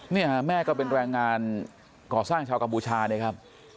เนี่ยแม่ก็เป็นแรงงานก่อสร้างชาวกัมพูชานะครับ